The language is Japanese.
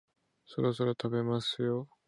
そろそろ食べますよ